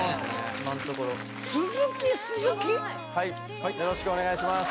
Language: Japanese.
今んところはいよろしくお願いします